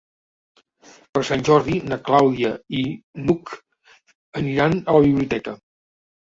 Per Sant Jordi na Clàudia i n'Hug aniran a la biblioteca.